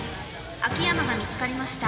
秋山が見つかりました。